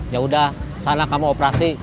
yaudah sana kamu operasi